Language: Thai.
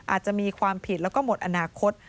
อาจจะมีความผิดแล้วก็หมดอนาคต